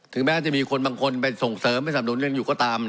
แม้จะมีคนบางคนไปส่งเสริมไปสับหนุนเรียนอยู่ก็ตาม